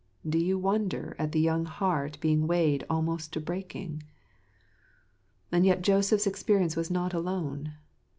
Do I you wonder at the young heart being weighed almost to \ breaking? And yet Joseph's experience is not alone.